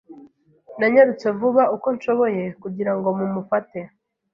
Nanyarutse vuba uko nshoboye kugira ngo mumufate.